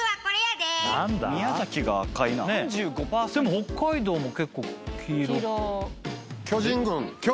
でも北海道も結構黄色。